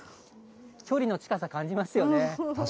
距離の近さ、感じますよね。